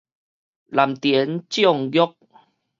藍田種玉